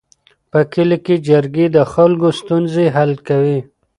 په کلي کې جرګې د خلکو ستونزې حل کوي.